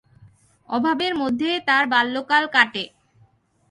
অভাবের মধ্যে তার বাল্যকাল কাটে।